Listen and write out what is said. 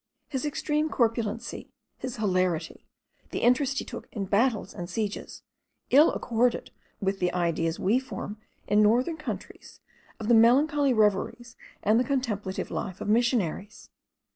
His extreme corpulency, his hilarity, the interest he took in battles and sieges, ill accorded with the ideas we form in northern countries of the melancholy reveries and the contemplative life of missionaries.